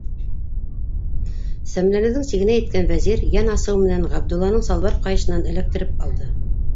Сәмләнеүҙең сигенә еткән Вәзир йән асыуы менән Ғабдулланың салбар ҡайышынан эләктереп алды.